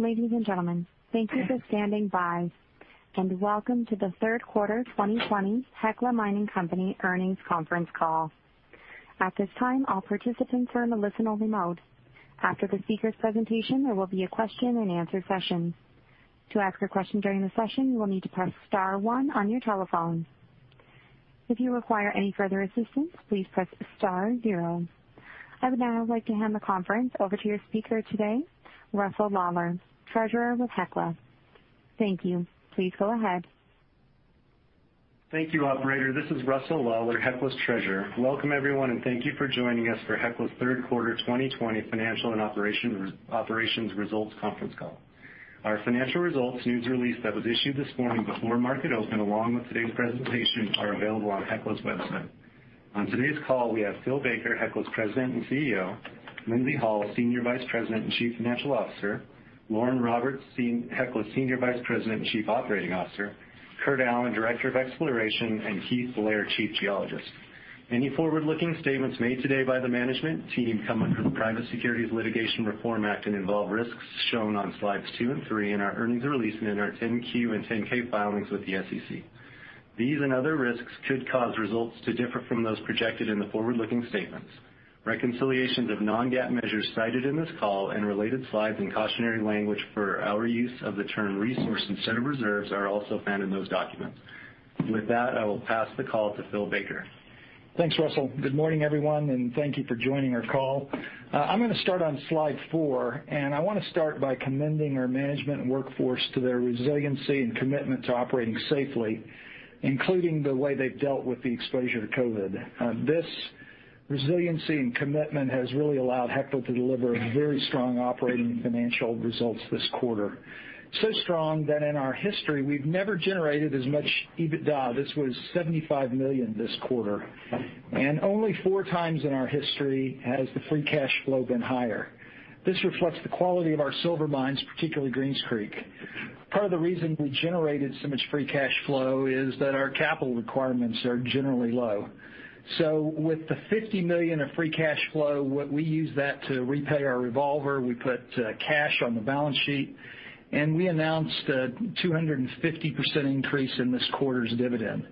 Ladies and gentlemen, thank you for standing by, and welcome to the third quarter 2020 Hecla Mining Company earnings conference call. At this time, all participants are in listen-only mode. After the speakers' presentation, there will be a question-and-answer session. To ask a question during the session, you will need to press star one on your telephone. If you require any further assistance, please press star zero. I would now like to hand the conference over to your speaker today, Russell Lawlar, Treasurer with Hecla. Thank you. Please go ahead. Thank you, operator. This is Russell Lawlar, Hecla's treasurer. Welcome everyone, and thank you for joining us for Hecla's third quarter 2020 financial and operations results conference call. Our financial results news release that was issued this morning before market open, along with today's presentation, are available on Hecla's website. On today's call, we have Phil Baker, Hecla's President and CEO; Lindsay Hall, Senior Vice President and Chief Financial Officer; Lauren Roberts, Hecla's Senior Vice President and Chief Operating Officer; Kurt Allen, Director of Exploration; and Keith Blair, Chief Geologist. Any forward-looking statements made today by the management team come under the Private Securities Litigation Reform Act and involve risks shown on slides two and three in our earnings release and in our 10-Q and 10-K filings with the SEC. These and other risks could cause results to differ from those projected in the forward-looking statements. Reconciliations of non-GAAP measures cited in this call and related slides and cautionary language for our use of the term resource instead of reserves are also found in those documents. With that, I will pass the call to Phil Baker. Thanks, Russell. Good morning, everyone, and thank you for joining our call. I'm going to start on slide four, and I want to start by commending our management workforce to their resiliency and commitment to operating safely, including the way they've dealt with the exposure to COVID. This resiliency and commitment has really allowed Hecla to deliver very strong operating and financial results this quarter. Strong that in our history, we've never generated as much EBITDA. This was $75 million this quarter. Only four times in our history has the free cash flow been higher. This reflects the quality of our silver mines, particularly Greens Creek. Part of the reason we generated so much free cash flow is that our capital requirements are generally low. With the $50 million of free cash flow, we used that to repay our revolver. We put cash on the balance sheet, and we announced a 250% increase in this quarter's dividend.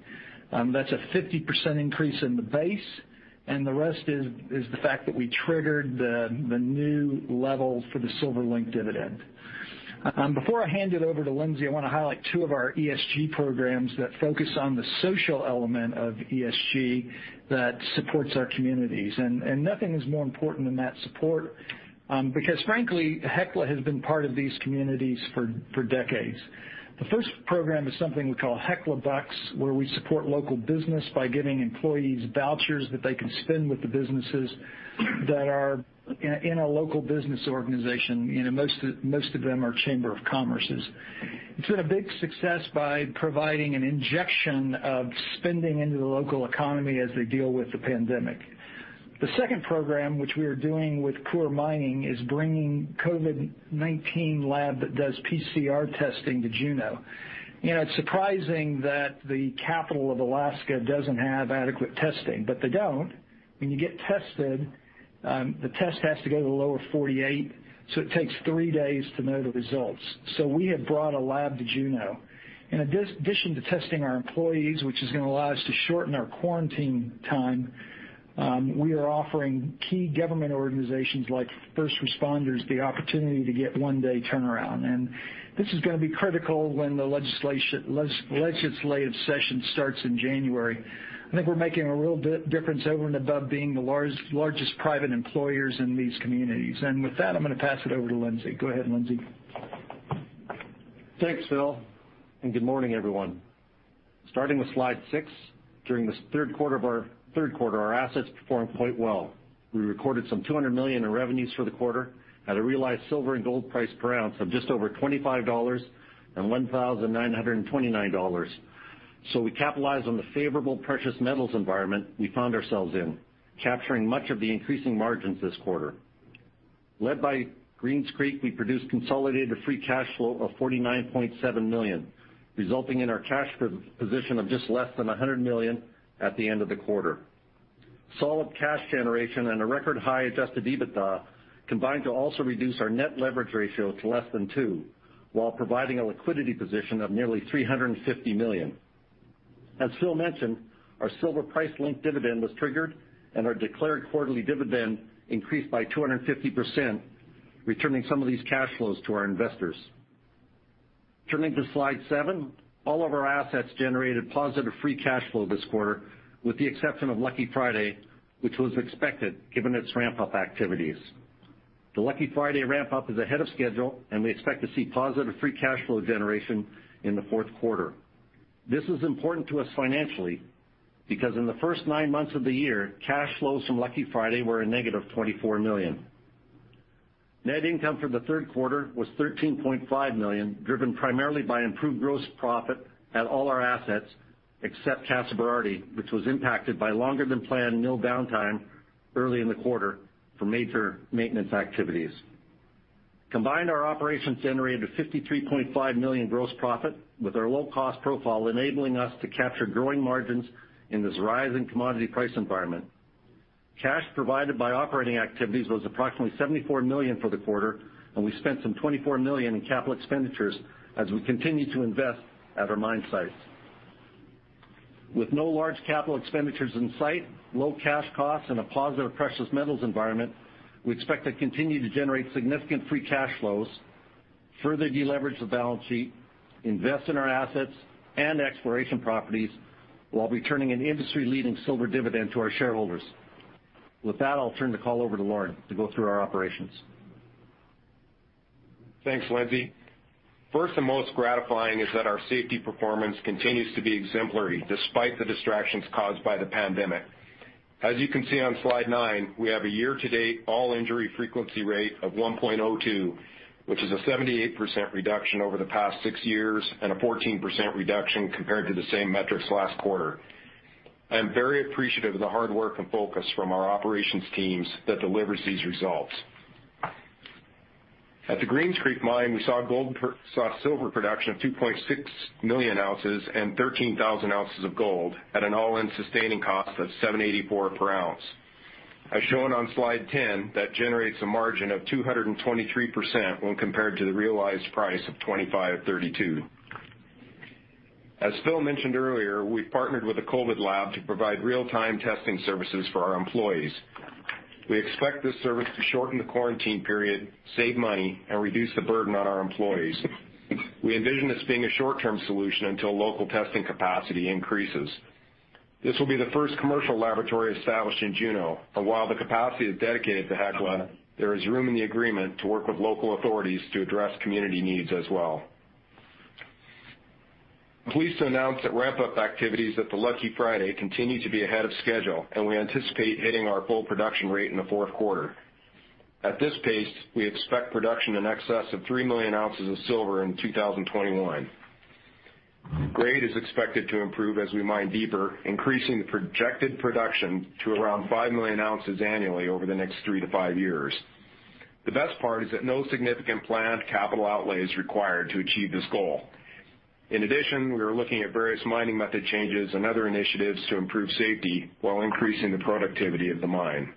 That's a 50% increase in the base, and the rest is the fact that we triggered the new level for the silver link dividend. Before I hand it over to Lindsay, I want to highlight two of our ESG programs that focus on the social element of ESG that supports our communities. Nothing is more important than that support, because frankly, Hecla has been part of these communities for decades. The first program is something we call Hecla Bucks, where we support local business by giving employees vouchers that they can spend with the businesses that are in a local business organization. Most of them are chamber of commerces. It's been a big success by providing an injection of spending into the local economy as they deal with the pandemic. The second program, which we are doing with Coeur Mining, is bringing COVID-19 lab that does PCR testing to Juneau. It's surprising that the capital of Alaska doesn't have adequate testing, but they don't. When you get tested, the test has to go to the lower 48, so it takes three days to know the results. We have brought a lab to Juneau. In addition to testing our employees, which is going to allow us to shorten our quarantine time, we are offering key government organizations, like first responders, the opportunity to get one-day turnaround. This is going to be critical when the legislative session starts in January. I think we're making a real difference over and above being the largest private employers in these communities. With that, I'm going to pass it over to Lindsay. Go ahead, Lindsay. Thanks, Phil. Good morning, everyone. Starting with slide six, during this third quarter, our assets performed quite well. We recorded some $200 million in revenues for the quarter at a realized silver and gold price per ounce of just over $25 and $1,929. We capitalized on the favorable precious metals environment we found ourselves in, capturing much of the increasing margins this quarter. Led by Greens Creek, we produced consolidated free cash flow of $49.7 million, resulting in our cash position of just less than $100 million at the end of the quarter. Solid cash generation and a record high adjusted EBITDA combined to also reduce our net leverage ratio to less than two, while providing a liquidity position of nearly $350 million. As Phil mentioned, our silver price link dividend was triggered, and our declared quarterly dividend increased by 250%, returning some of these cash flows to our investors. Turning to slide seven, all of our assets generated positive free cash flow this quarter, with the exception of Lucky Friday, which was expected given its ramp-up activities. The Lucky Friday ramp-up is ahead of schedule, and we expect to see positive free cash flow generation in the fourth quarter. This is important to us financially, because in the first nine months of the year, cash flows from Lucky Friday were a negative $24 million. Net income for the third quarter was $13.5 million, driven primarily by improved gross profit at all our assets except Casa Berardi, which was impacted by longer than planned mill downtime early in the quarter for major maintenance activities. Combined, our operations generated $53.5 million gross profit, with our low-cost profile enabling us to capture growing margins in this rising commodity price environment. Cash provided by operating activities was approximately $74 million for the quarter, and we spent some $24 million in capital expenditures as we continue to invest at our mine sites. With no large capital expenditures in sight, low cash costs, and a positive precious metals environment, we expect to continue to generate significant free cash flows, further deleverage the balance sheet, invest in our assets and exploration properties, while returning an industry-leading silver dividend to our shareholders. With that, I'll turn the call over to Lauren to go through our operations. Thanks, Lindsay. First and most gratifying is that our safety performance continues to be exemplary despite the distractions caused by the pandemic. As you can see on slide nine, we have a year-to-date all-injury frequency rate of 1.02, which is a 78% reduction over the past six years and a 14% reduction compared to the same metrics last quarter. I am very appreciative of the hard work and focus from our operations teams that delivers these results. At the Greens Creek mine, we saw silver production of 2.6 million oz and 13,000 oz of gold at an all-in sustaining cost of $784 /oz. As shown on slide 10, that generates a margin of 223% when compared to the realized price of $25.32. As Phil mentioned earlier, we've partnered with a COVID lab to provide real-time testing services for our employees. We expect this service to shorten the quarantine period, save money, and reduce the burden on our employees. We envision this being a short-term solution until local testing capacity increases. This will be the first commercial laboratory established in Juneau, and while the capacity is dedicated to Hecla, there is room in the agreement to work with local authorities to address community needs as well. I'm pleased to announce that ramp-up activities at the Lucky Friday continue to be ahead of schedule, and we anticipate hitting our full production rate in the fourth quarter. At this pace, we expect production in excess of 3 million oz of silver in 2021. Grade is expected to improve as we mine deeper, increasing the projected production to around 5 million oz annually over the next 3-5 years. The best part is that no significant planned capital outlay is required to achieve this goal. In addition, we are looking at various mining method changes and other initiatives to improve safety while increasing the productivity of the mine.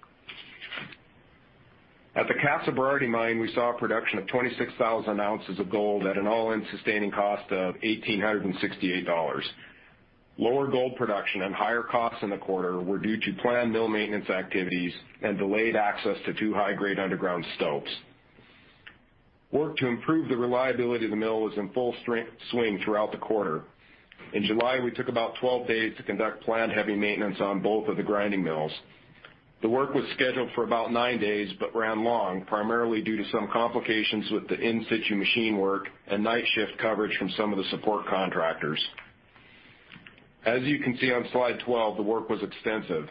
At the Casa Berardi mine, we saw production of 26,000 oz of gold at an all-in sustaining cost of $1,868. Lower gold production and higher costs in the quarter were due to planned mill maintenance activities and delayed access to two high-grade underground stopes. Work to improve the reliability of the mill was in full swing throughout the quarter. In July, we took about 12 days to conduct planned heavy maintenance on both of the grinding mills. The work was scheduled for about nine days but ran long, primarily due to some complications with the in-situ machine work and night shift coverage from some of the support contractors. As you can see on slide 12, the work was extensive.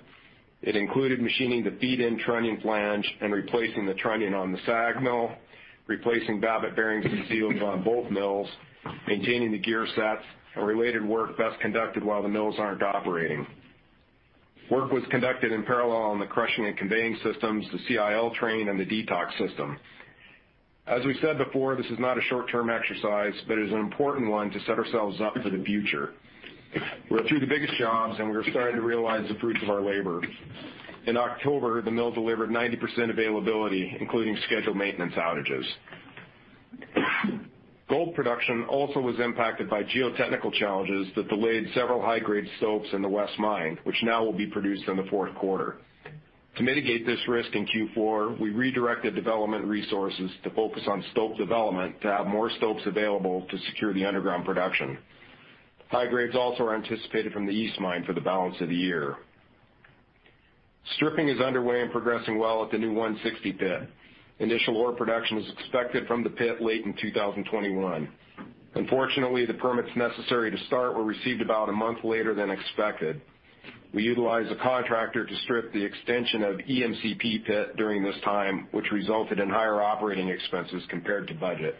It included machining the feed end trunnion flange and replacing the trunnion on the SAG mill, replacing babbitt bearings and seals on both mills, maintaining the gear sets, and related work best conducted while the mills aren't operating. Work was conducted in parallel on the crushing and conveying systems, the CIL train, and the detox system. As we said before, this is not a short-term exercise, but it is an important one to set ourselves up for the future. We're through the biggest jobs, and we're starting to realize the fruits of our labor. In October, the mill delivered 90% availability, including scheduled maintenance outages. Gold production also was impacted by geotechnical challenges that delayed several high-grade stopes in the West Mine, which now will be produced in the fourth quarter. To mitigate this risk in Q4, we redirected development resources to focus on stope development to have more stopes available to secure the underground production. High grades also are anticipated from the East Mine for the balance of the year. Stripping is underway and progressing well at the new 160 Pit. Initial ore production is expected from the pit late in 2021. Unfortunately, the permits necessary to start were received about one month later than expected. We utilized a contractor to strip the extension of EMCP Pit during this time, which resulted in higher operating expenses compared to budget.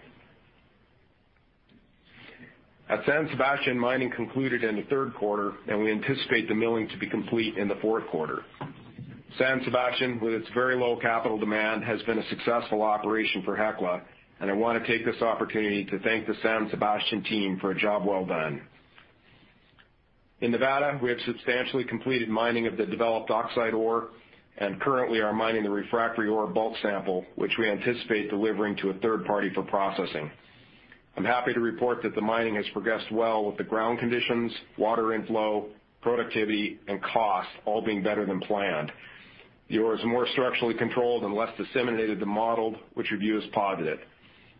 At San Sebastian, mining concluded in the third quarter, and we anticipate the milling to be complete in the fourth quarter. San Sebastian, with its very low capital demand, has been a successful operation for Hecla, and I want to take this opportunity to thank the San Sebastian team for a job well done. In Nevada, we have substantially completed mining of the developed oxide ore and currently are mining the refractory ore bulk sample, which we anticipate delivering to a third party for processing. I'm happy to report that the mining has progressed well with the ground conditions, water inflow, productivity, and cost all being better than planned. The ore is more structurally controlled and less disseminated than modeled, which we view as positive.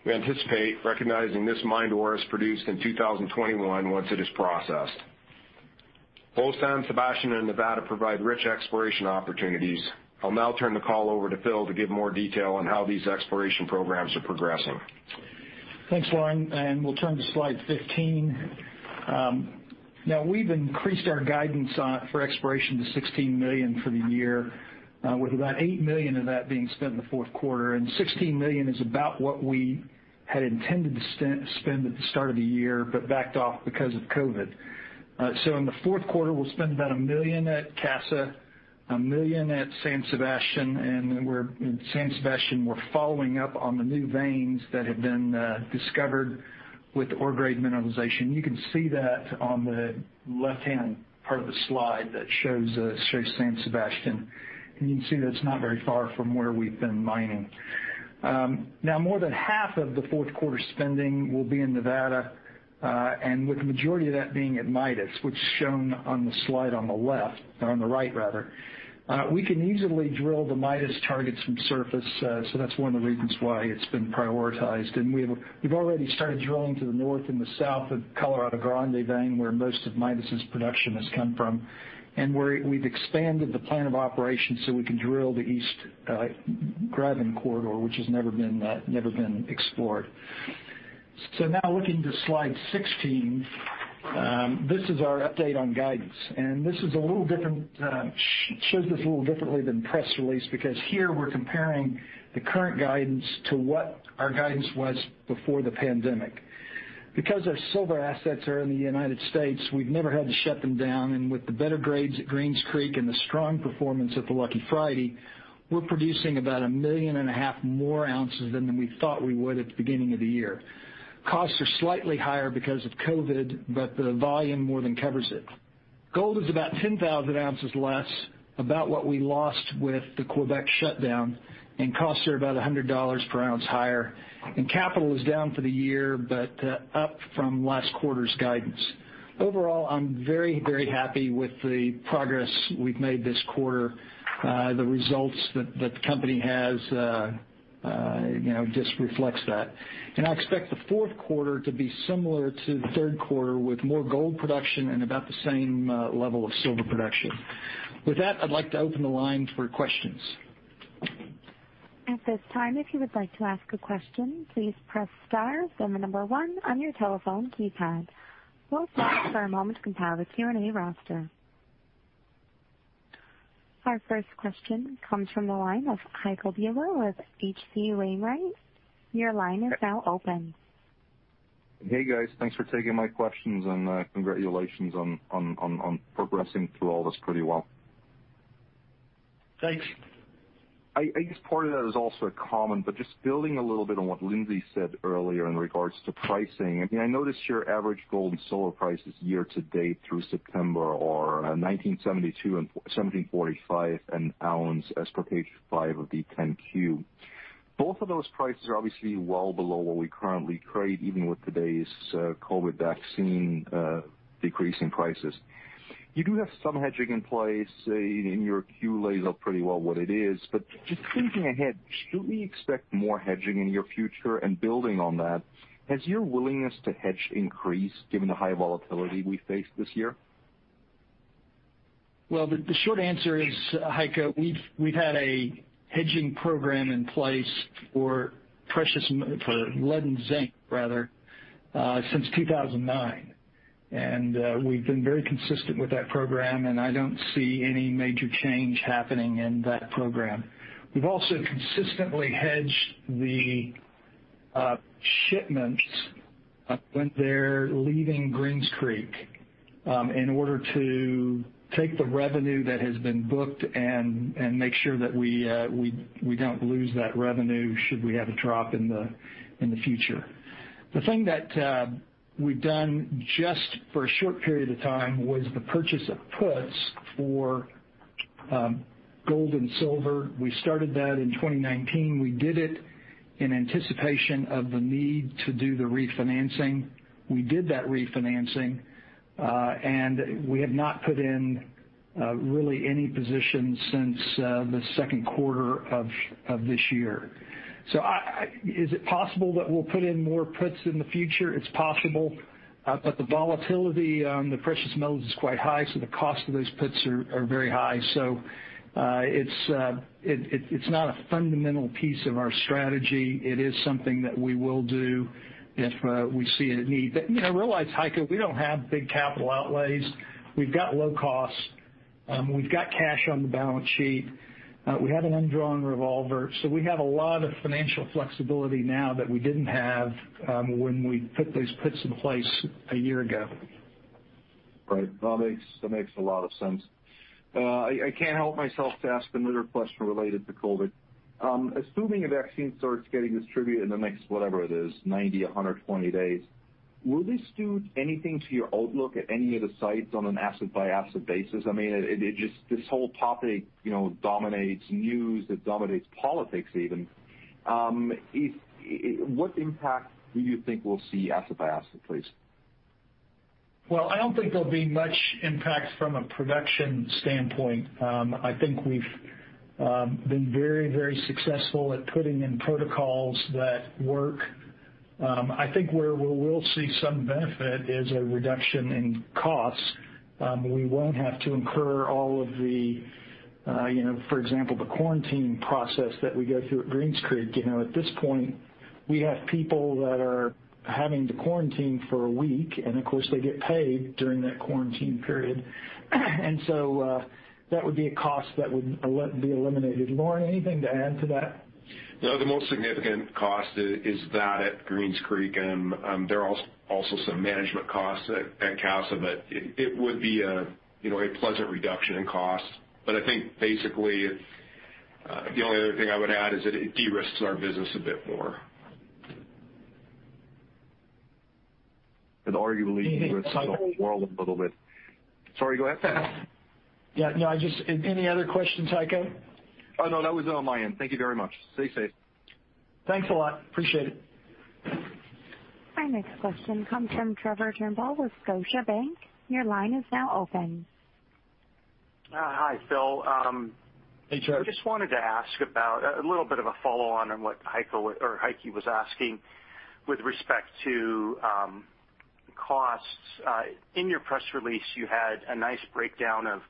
We anticipate recognizing this mined ore as produced in 2021 once it is processed. Both San Sebastian and Nevada provide rich exploration opportunities. I'll now turn the call over to Phil to give more detail on how these exploration programs are progressing. Thanks, Lauren, we'll turn to slide 15. Now, we've increased our guidance for exploration to $16 million for the year, with about $8 million of that being spent in the fourth quarter. $16 million is about what we had intended to spend at the start of the year, but backed off because of COVID. In the fourth quarter, we'll spend about $1 million at Casa, $1 million at San Sebastian. In San Sebastian, we're following up on the new veins that have been discovered with ore grade mineralization. You can see that on the left-hand part of the slide that shows San Sebastian. You can see that it's not very far from where we've been mining. More than half of the fourth quarter spending will be in Nevada, and with the majority of that being at Midas, which is shown on the slide on the left, or on the right rather. We can easily drill the Midas targets from surface, that's one of the reasons why it's been prioritized. We've already started drilling to the north and the south of Colorado Grande Vein, where most of Midas's production has come from, and we've expanded the plan of operations, we can drill the East Graben corridor, which has never been explored. Now looking to slide 16. This is our update on guidance, and shows this a little differently than press release, because here we're comparing the current guidance to what our guidance was before the pandemic. Because our silver assets are in the United States, we've never had to shut them down, and with the better grades at Greens Creek and the strong performance at the Lucky Friday, we're producing about 1.5 million more ounces than we thought we would at the beginning of the year. Costs are slightly higher because of COVID, but the volume more than covers it. gold is about 10,000 oz less, about what we lost with the Quebec shutdown, and costs are about $100 per ounce higher, and capital is down for the year, but up from last quarter's guidance. Overall, I'm very happy with the progress we've made this quarter. The results that the company has just reflect that. I expect the fourth quarter to be similar to the third quarter, with more gold production and about the same level of silver production. With that, I'd like to open the line for questions. At this time, if you would like to ask a question, please press star, then the number one on your telephone keypad. We'll pause for a moment to compile the Q&A roster. Our first question comes from the line of Heiko Ihle with H.C. Wainwright & Co. Your line is now open. Hey, guys. Thanks for taking my questions, and congratulations on progressing through all this pretty well. Thanks. I guess part of that is also a comment, but just building a little bit on what Lindsay said earlier in regards to pricing. I mean, I noticed your average gold and silver prices year to date through September are $19.72 and $17.45 an ounce as per page five of the 10-Q. Both of those prices are obviously well below what we currently trade, even with today's COVID vaccine decrease in prices. You do have some hedging in place. Your Q lays out pretty well what it is. Just thinking ahead, should we expect more hedging in your future? Building on that, has your willingness to hedge increased given the high volatility we faced this year? Well, the short answer is, Heiko, we've had a hedging program in place for lead and zinc since 2009. We've been very consistent with that program. I don't see any major change happening in that program. We've also consistently hedged the shipments when they're leaving Greens Creek, in order to take the revenue that has been booked and make sure that we don't lose that revenue should we have a drop in the future. The thing that we've done just for a short period of time was the purchase of puts for gold and silver. We started that in 2019. We did it in anticipation of the need to do the refinancing. We did that refinancing. We have not put in really any positions since the second quarter of this year. Is it possible that we'll put in more puts in the future? It's possible. The volatility on the precious metals is quite high. The cost of those puts are very high. It's not a fundamental piece of our strategy. It is something that we will do if we see a need. Realize, Heiko, we don't have big capital outlays. We've got low costs. We've got cash on the balance sheet. We have an undrawn revolver. We have a lot of financial flexibility now that we didn't have when we put these puts in place a year ago. Right. That makes a lot of sense. I can't help myself to ask another question related to COVID. Assuming a vaccine starts getting distributed in the next, whatever it is, 90, 120 days, will this do anything to your outlook at any of the sites on an asset by asset basis? I mean, this whole topic dominates news. It dominates politics even. What impact do you think we'll see asset by asset, please? Well, I don't think there'll be much impact from a production standpoint. I think we've been very successful at putting in protocols that work. I think where we'll see some benefit is a reduction in costs. We won't have to incur all of the, for example, the quarantine process that we go through at Greens Creek. At this point, we have people that are having to quarantine for a week, and of course, they get paid during that quarantine period. That would be a cost that would be eliminated. Lauren, anything to add to that? No, the most significant cost is that at Greens Creek, and there are also some management costs at Casa, but it would be a pleasant reduction in cost. I think basically, the only other thing I would add is that it de-risks our business a bit more. Arguably the world a little bit. Sorry, go ahead. Yeah, no. Just any other questions, Heiko? No, that was it on my end. Thank you very much. Stay safe. Thanks a lot. Appreciate it. Our next question comes from Trevor Turnbull with Scotiabank. Your line is now open. Hi, Phil. Hey, Trevor. I just wanted to ask about a little bit of a follow-on, on what Heiko was asking with respect to costs. In your press release, you had a nice breakdown of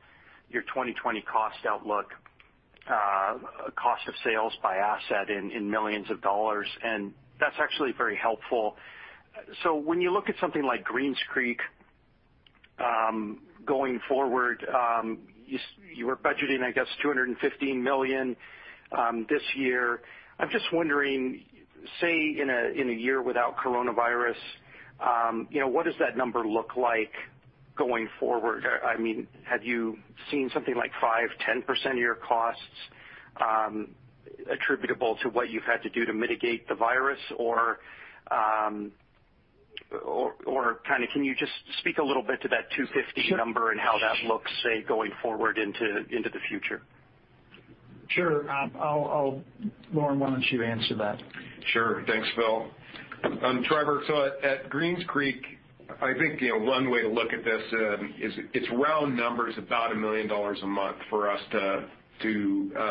your 2020 cost outlook, cost of sales by asset in millions of dollars, and that's actually very helpful. When you look at something like Greens Creek, going forward, you were budgeting, I guess, $215 million this year. I'm just wondering, say, in a year without coronavirus, what does that number look like going forward? Have you seen something like 5%, 10% of your costs attributable to what you've had to do to mitigate the virus? Can you just speak a little bit to that $250 number and how that looks, say, going forward into the future? Sure. Lauren, why don't you answer that? Sure. Thanks, Phil. Trevor, at Greens Creek, I think, one way to look at this is it's round numbers about $1 million a month for us to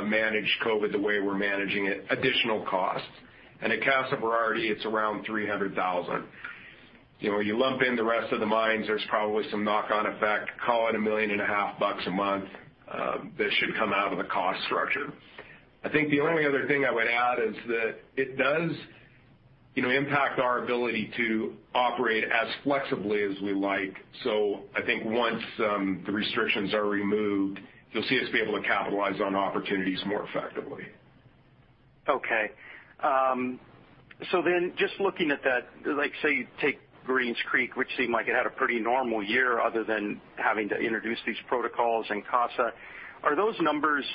manage COVID the way we're managing it, additional costs. At Casa Berardi, it's around $300,000. You lump in the rest of the mines, there's probably some knock-on effect, call it $1.5 million a month that should come out of the cost structure. I think the only other thing I would add is that it does impact our ability to operate as flexibly as we like. I think once the restrictions are removed, you'll see us be able to capitalize on opportunities more effectively. Okay. Just looking at that, say you take Greens Creek, which seemed like it had a pretty normal year other than having to introduce these protocols and Casa. Are those numbers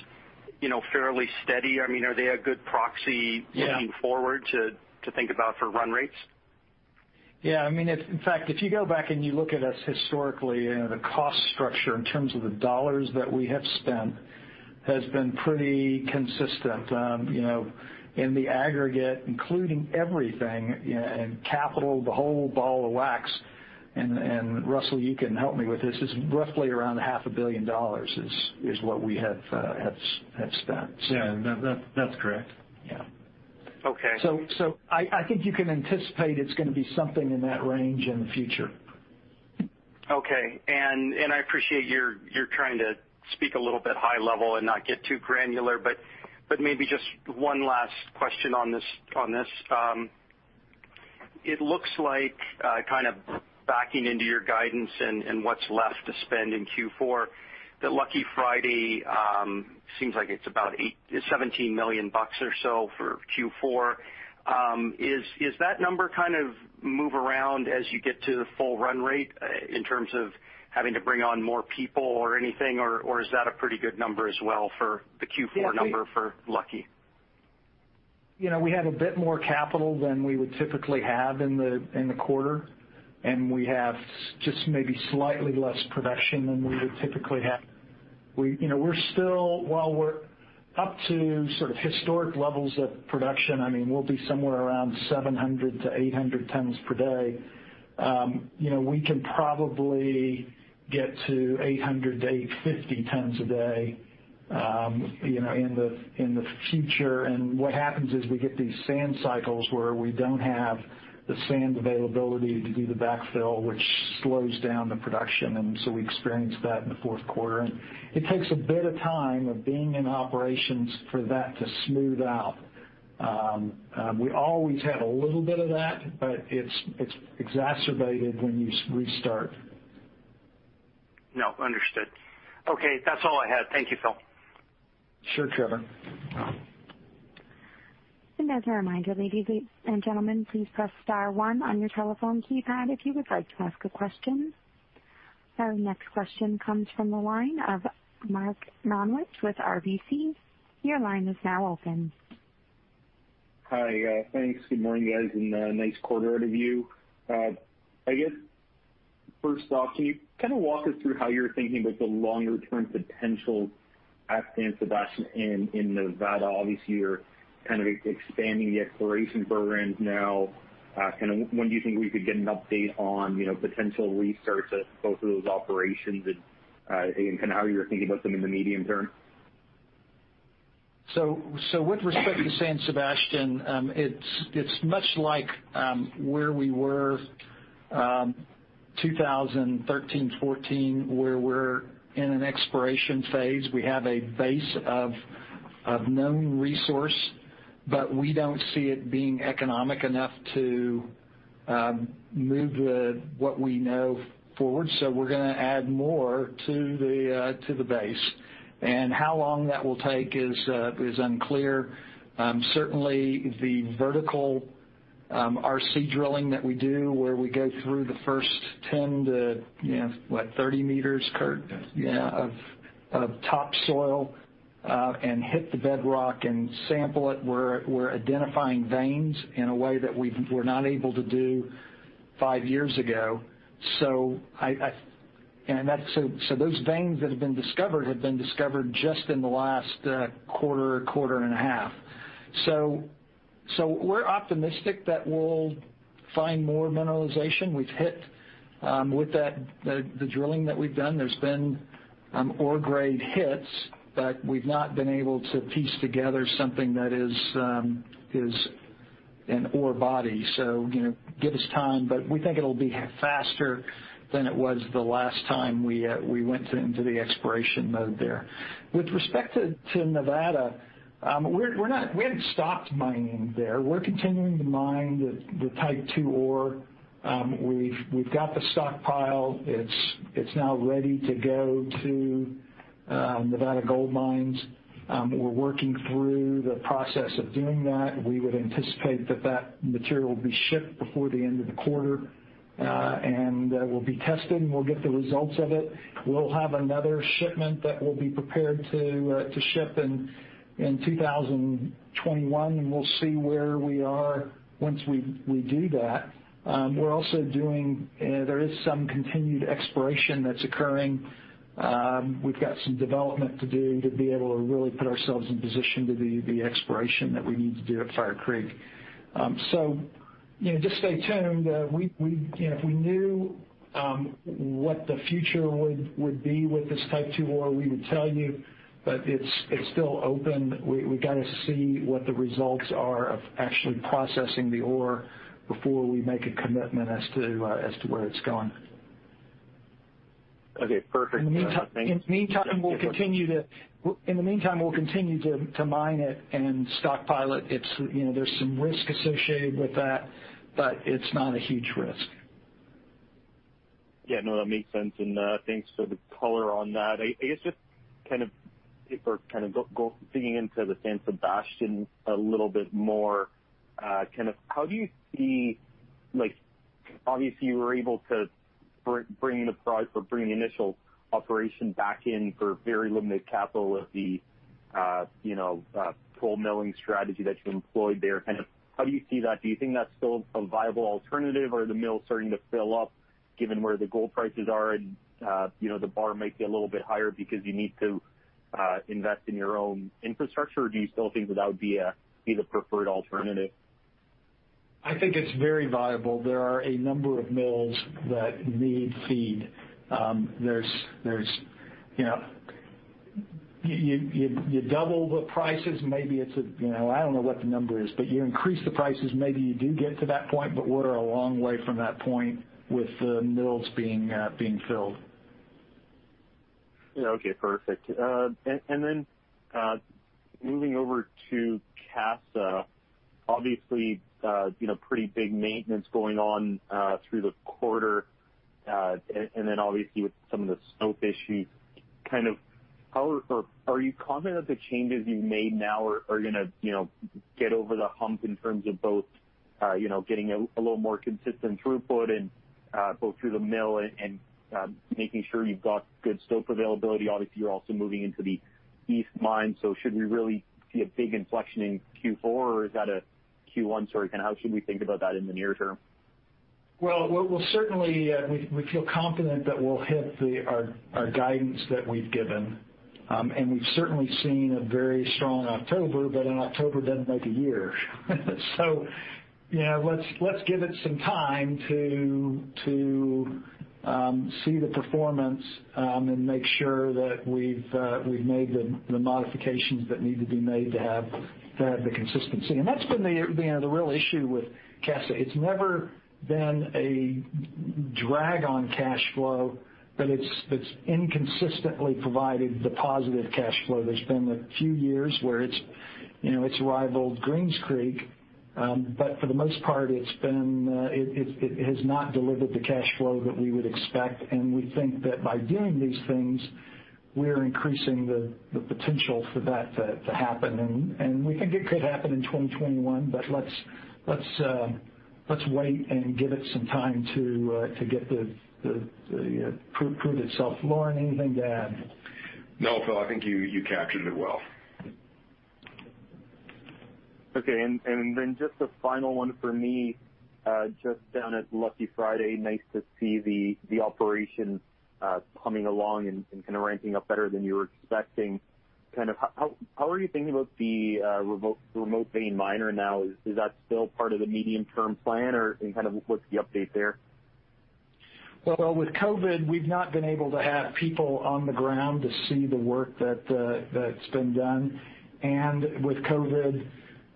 fairly steady? Are they a good proxy- Yeah. looking forward to think about for run rates? Yeah. In fact, if you go back and you look at us historically, the cost structure in terms of the dollars that we have spent has been pretty consistent. In the aggregate, including everything, and capital, the whole ball of wax, and Russell, you can help me with this, is roughly around half a billion dollars is what we have spent. Yeah. That's correct. Yeah. Okay. I think you can anticipate it's going to be something in that range in the future. Okay. I appreciate you're trying to speak a little bit high level and not get too granular. Maybe just one last question on this. It looks like, kind of backing into your guidance and what's left to spend in Q4, that Lucky Friday seems like it's about $17 million or so for Q4. Is that number kind of move around as you get to the full run rate in terms of having to bring on more people or anything, or is that a pretty good number as well for the Q4 number for Lucky? We had a bit more capital than we would typically have in the quarter. We have just maybe slightly less production than we would typically have. While we're up to sort of historic levels of production, we'll be somewhere around 700 tons-800 tons per day. We can probably get to 800-850 tons a day in the future. What happens is we get these sand cycles where we don't have the sand availability to do the backfill, which slows down the production. We experience that in the fourth quarter. It takes a bit of time of being in operations for that to smooth out. We always have a little bit of that. It's exacerbated when you restart. No, understood. Okay. That's all I had. Thank you, Phil. Sure, Trevor. As a reminder, ladies and gentlemen, please press star one on your telephone keypad if you would like to ask a question. Our next question comes from the line of Mark Mihaljevic with RBC. Your line is now open. Hi. Thanks. Good morning, guys, and nice quarter out of you. I guess, first off, can you kind of walk us through how you're thinking about the longer-term potential at San Sebastian in Nevada? Obviously, you're kind of expanding the exploration programs now. When do you think we could get an update on potential restarts at both of those operations and how you're thinking about them in the medium-term? With respect to San Sebastian, it's much like where we were 2013, 2014, where we're in an exploration phase. We have a base of known resource, but we don't see it being economic enough to move what we know forward. We're going to add more to the base, and how long that will take is unclear. Certainly, the vertical RC drilling that we do where we go through the first 10 to what, 30 m, Kurt? Yeah. Of topsoil. Hit the bedrock and sample it. We're identifying veins in a way that we were not able to do five years ago. Those veins that have been discovered, have been discovered just in the last quarter and a half. We're optimistic that we'll find more mineralization. We've hit with the drilling that we've done. There's been ore grade hits, but we've not been able to piece together something that is an ore body. Give us time, but we think it'll be faster than it was the last time we went into the exploration mode there. With respect to Nevada, we haven't stopped mining there. We're continuing to mine the type two ore. We've got the stockpile. It's now ready to go to Nevada Gold Mines. We're working through the process of doing that. We would anticipate that that material will be shipped before the end of the quarter. We'll be testing, we'll get the results of it. We'll have another shipment that will be prepared to ship in 2021, and we'll see where we are once we do that. There is some continued exploration that's occurring. We've got some development to do, to be able to really put ourselves in position to do the exploration that we need to do at Fire Creek. Just stay tuned. If we knew what the future would be with this type two ore, we would tell you, but it's still open. We got to see what the results are of actually processing the ore before we make a commitment as to where it's going. Okay, perfect. In the meantime, we'll continue to mine it and stockpile it. There's some risk associated with that, but it's not a huge risk. Yeah, no, that makes sense. Thanks for the color on that. I guess just kind of, if we're kind of digging into the San Sebastian a little bit more, how do you see, obviously, you were able to bring the initial operation back in for very limited capital with the full milling strategy that you employed there. How do you see that? Do you think that's still a viable alternative or are the mills starting to fill up given where the gold prices are and the bar might be a little bit higher because you need to invest in your own infrastructure? Do you still think that that would be the preferred alternative? I think it's very viable. There are a number of mills that need feed. You double the prices, maybe it's, I don't know what the number is, but you increase the prices, maybe you do get to that point, but we're a long way from that point with the mills being filled. Okay, perfect. Moving over to Casa, obviously, pretty big maintenance going on through the quarter. Obviously with some of the stope issues, are you confident the changes you've made now are going to get over the hump in terms of both getting a little more consistent throughput and both through the mill and making sure you've got good stope availability? Obviously, you're also moving into the East Mine. Should we really see a big inflection in Q4 or is that a Q1 story? How should we think about that in the near term? Well, we feel confident that we'll hit our guidance that we've given. We've certainly seen a very strong October. An October doesn't make a year. Let's give it some time to see the performance, and make sure that we've made the modifications that need to be made to have the consistency. That's been the real issue with Casa. It's never been a drag on cash flow, but it's inconsistently provided the positive cash flow. There's been a few years where it's rivaled Greens Creek. For the most part, it has not delivered the cash flow that we would expect. We think that by doing these things, we're increasing the potential for that to happen. We think it could happen in 2021. Let's wait and give it some time to prove itself. Lauren, anything to add? No, Phil, I think you captured it well. Okay, just a final one for me, just down at Lucky Friday, nice to see the operation humming along and kind of ramping up better than you were expecting. How are you thinking about the remote vein miner now? Is that still part of the medium-term plan or what's the update there? Well, with COVID, we've not been able to have people on the ground to see the work that's been done. With COVID,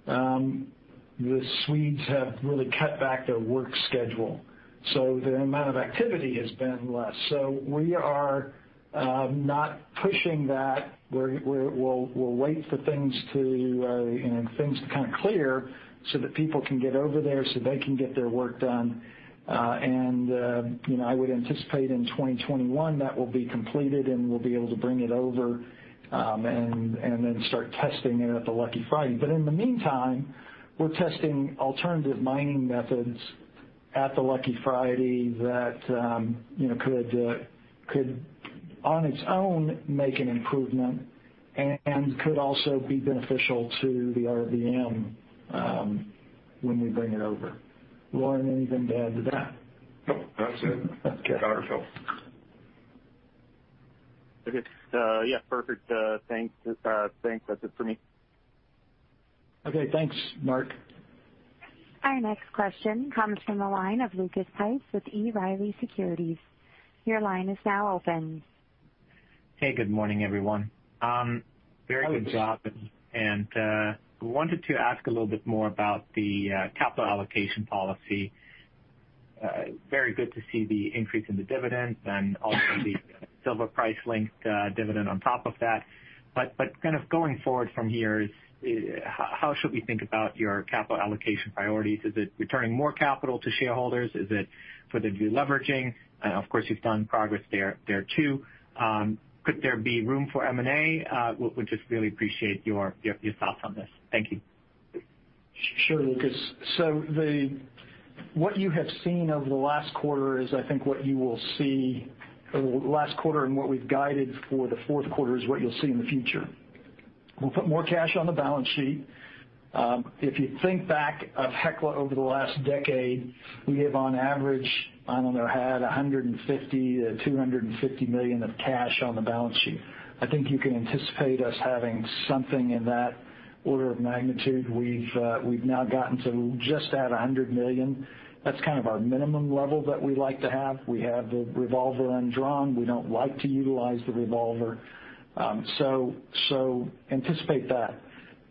the Swedes have really cut back their work schedule. The amount of activity has been less. We are not pushing that. We'll wait for things to kind of clear so that people can get over there so they can get their work done. I would anticipate in 2021 that will be completed, and we'll be able to bring it over, and then start testing there at the Lucky Friday. In the meantime, we're testing alternative mining methods at the Lucky Friday that could, on its own, make an improvement and could also be beneficial to the RVM when we bring it over. Lauren, anything to add to that? No. That's it. Okay. That's all. Okay. Yeah, perfect. Thanks. That's it for me. Okay, thanks, Mark. Our next question comes from the line of Lucas Pipes with B. Riley Securities. Your line is now open. Hey, good morning, everyone. Hi, Lucas. Very good job. We wanted to ask a little bit more about the capital allocation policy. Very good to see the increase in the dividends and also the silver price-linked dividend on top of that. Going forward from here is, how should we think about your capital allocation priorities? Is it returning more capital to shareholders? Is it further de-leveraging? Of course, you've done progress there too. Could there be room for M&A? Would just really appreciate your thoughts on this. Thank you. Sure, Lucas. What you have seen over the last quarter and what we've guided for the fourth quarter is what you'll see in the future. We'll put more cash on the balance sheet. If you think back of Hecla over the last decade, we have on average, I don't know, had $150 million-$250 million of cash on the balance sheet. I think you can anticipate us having something in that order of magnitude. We've now gotten to just at $100 million. That's kind of our minimum level that we like to have. We have the revolver undrawn. We don't like to utilize the revolver. Anticipate that.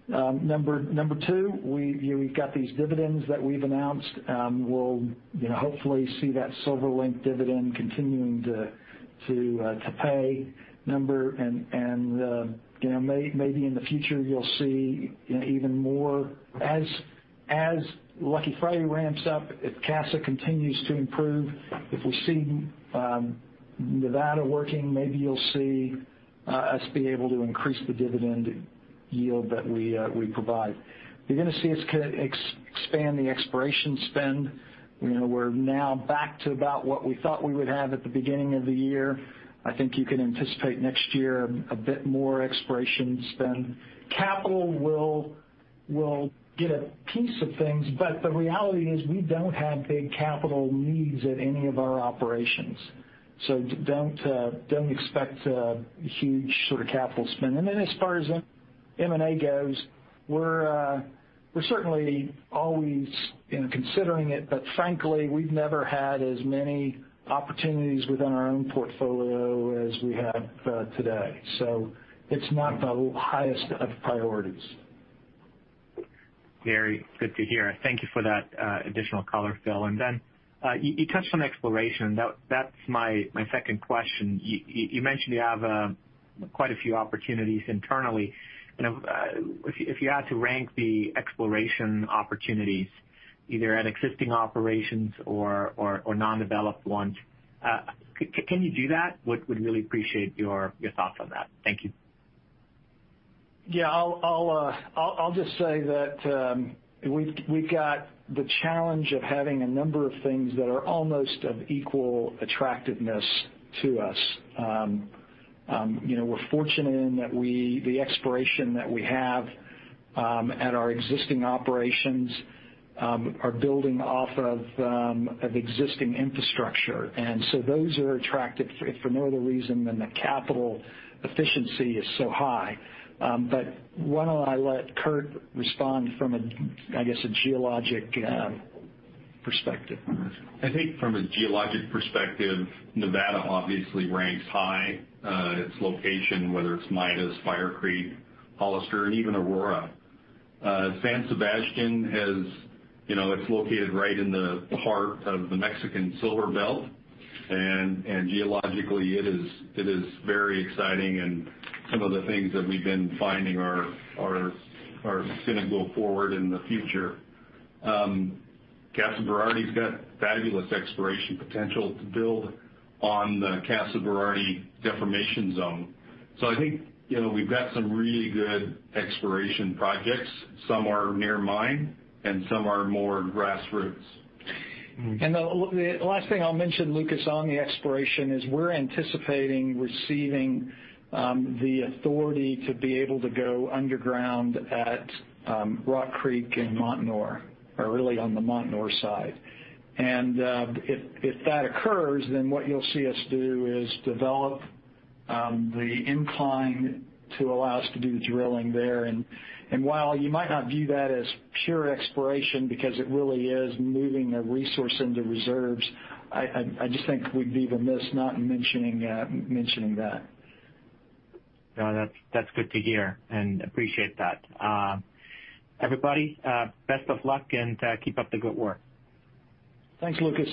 Number two, we've got these dividends that we've announced. We'll hopefully see that silver-linked dividend continuing to pay. Maybe in the future you'll see even more. As Lucky Friday ramps up, if Casa continues to improve, if we see Nevada working, maybe you'll see us be able to increase the dividend yield that we provide. You're going to see us expand the exploration spend. We're now back to about what we thought we would have at the beginning of the year. I think you can anticipate next year a bit more exploration spend. Capital will get a piece of things, but the reality is we don't have big capital needs at any of our operations. Don't expect a huge sort of capital spend. As far as M&A goes, we're certainly always considering it. Frankly, we've never had as many opportunities within our own portfolio as we have today. It's not the highest of priorities. Very good to hear. Thank you for that additional color, Phil. You touched on exploration. That's my second question. You mentioned you have quite a few opportunities internally. If you had to rank the exploration opportunities, either at existing operations or non-developed ones, can you do that? Would really appreciate your thoughts on that. Thank you. Yeah. I'll just say that we've got the challenge of having a number of things that are almost of equal attractiveness to us. We're fortunate in that the exploration that we have at our existing operations are building off of existing infrastructure. So those are attractive if for no other reason than the capital efficiency is so high. Why don't I let Kurt respond from a geologic perspective on this? I think from a geologic perspective, Nevada obviously ranks high, its location whether it's Midas, Fire Creek, Hollister, and even Aurora. San Sebastian, it's located right in the heart of the Mexican silver belt, and geologically it is very exciting and some of the things that we've been finding are going to go forward in the future. Casa Berardi's got fabulous exploration potential to build on the Casa Berardi deformation zone. I think we've got some really good exploration projects. Some are near mine and some are more grassroots. The last thing I'll mention, Lucas, on the exploration is we're anticipating receiving the authority to be able to go underground at Rock Creek and Montanore, or really on the Montanore side. If that occurs, then what you'll see us do is develop the incline to allow us to do the drilling there. While you might not view that as pure exploration, because it really is moving a resource into reserves, I just think we'd be remiss not mentioning that. No, that's good to hear, and appreciate that. Everybody, best of luck and keep up the good work. Thanks, Lucas.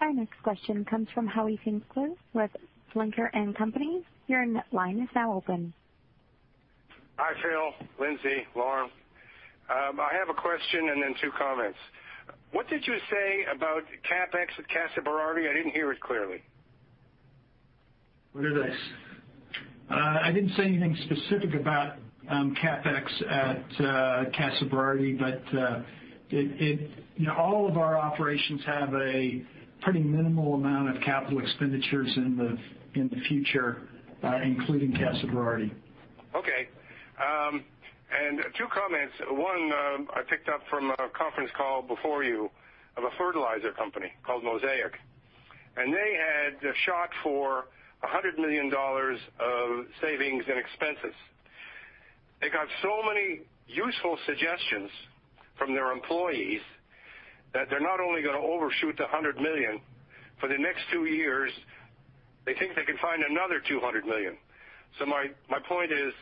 Our next question comes from Howie Flinker with Flinker & Company. Your line is now open. Hi, Phil, Lindsay, Lauren. I have a question and then two comments. What did you say about CapEx at Casa Berardi? I didn't hear it clearly. What are those? I didn't say anything specific about CapEx at Casa Berardi, but all of our operations have a pretty minimal amount of capital expenditures in the future, including Casa Berardi. Two comments. One, I picked up from a conference call before you of a fertilizer company called The Mosaic Company. They had shot for $100 million of savings and expenses. They got so many useful suggestions from their employees that they are not only going to overshoot the $100 million, for the next two years, they think they can find another $200 million. My point is,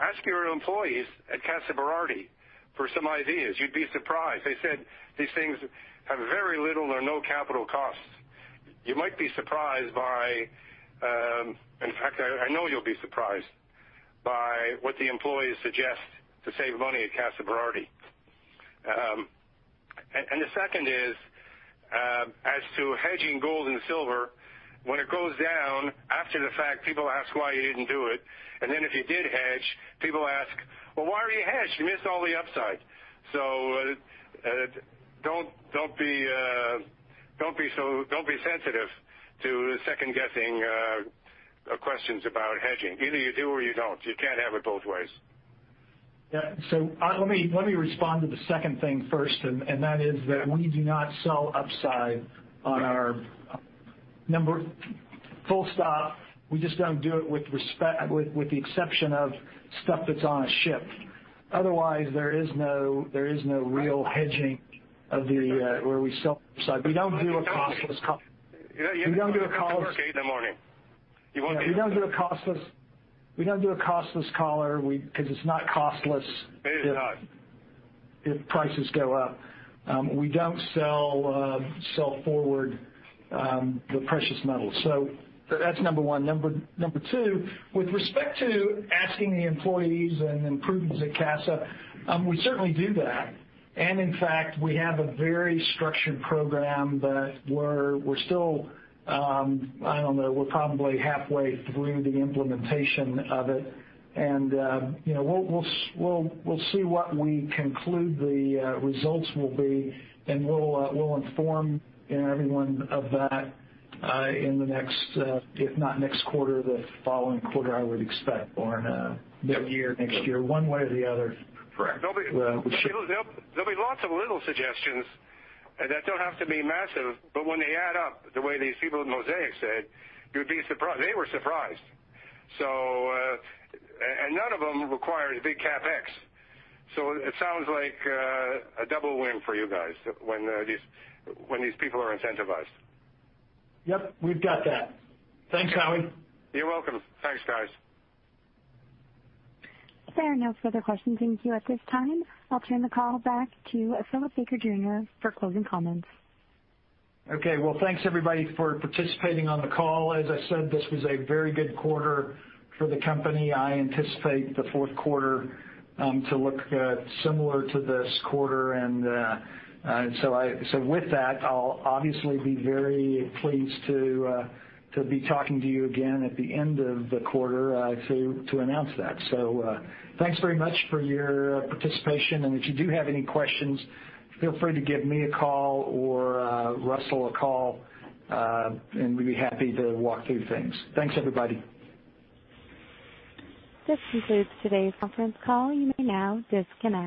ask your employees at Casa Berardi for some ideas. You would be surprised. They said these things have very little or no capital costs. You might be surprised by, in fact, I know you will be surprised by what the employees suggest to save money at Casa Berardi. The second is, as to hedging gold and silver, when it goes down, after the fact, people ask why you did not do it. If you did hedge, people ask, "Well, why are you hedged? You missed all the upside." Don't be sensitive to second-guessing questions about hedging. Either you do or you don't. You can't have it both ways. Yeah. Let me respond to the second thing first, and that is that we do not sell upside on our number. Full stop. We just don't do it with the exception of stuff that's on a ship. Otherwise, there is no real hedging of where we sell upside. We don't do a costless call. We don't do a costless collar because it's not costless. It is not. if prices go up. We don't sell forward the precious metals. That's number one. Number two, with respect to asking the employees and improvements at Casa, we certainly do that. In fact, we have a very structured program, but we're still, I don't know, we're probably halfway through the implementation of it. We'll see what we conclude the results will be, and we'll inform everyone of that in the next, if not next quarter, the following quarter, I would expect, or next year, one way or the other. Correct. There'll be lots of little suggestions that don't have to be massive, but when they add up, the way these people in Mosaic said, you'd be surprised. They were surprised. None of them required a big CapEx. It sounds like a double win for you guys when these people are incentivized. Yep. We've got that. Thanks, Howie. You're welcome. Thanks, guys. There are no further questions in queue at this time. I'll turn the call back to Philip Baker, Jr. for closing comments. Well, thanks everybody for participating on the call. As I said, this was a very good quarter for the company. I anticipate the fourth quarter to look similar to this quarter. With that, I'll obviously be very pleased to be talking to you again at the end of the quarter to announce that. Thanks very much for your participation. If you do have any questions, feel free to give me a call or Russell a call, and we'd be happy to walk through things. Thanks, everybody. This concludes today's conference call. You may now disconnect.